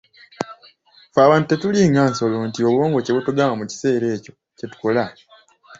Ffe abantu tetulinga nsolo nti obwongo kye butugamba mu kiseera ekyo kye tukola.